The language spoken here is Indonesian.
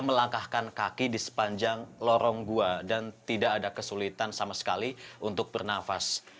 melangkahkan kaki di sepanjang lorong gua dan tidak ada kesulitan sama sekali untuk bernafas